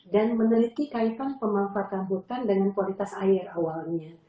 dan meneliti kaitan pemanfaatan hutan dengan kualitas air awalnya